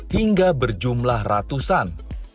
hingga berjumlah ratusan